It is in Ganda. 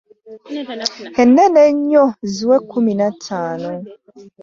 Ennene ennyo ziwe kkumi na ttaano.